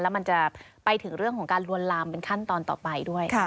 แล้วมันจะไปถึงเรื่องของการลวนลามเป็นขั้นตอนต่อไปด้วย